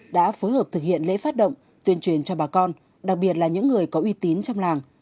đã phối hợp thực hiện lễ phát động tuyên truyền cho bà con đặc biệt là những người có uy tín trong làng